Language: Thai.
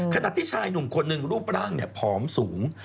ขนาดที่ชายหนุ่มขนึงรูปร่างพล้อมสูง